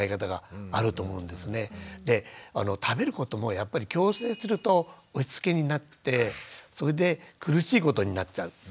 で食べることもやっぱり強制すると押しつけになってそれで苦しいことになっちゃう。